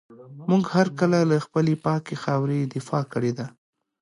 موږ هر کله له خپلي پاکي خاوري دفاع کړې ده.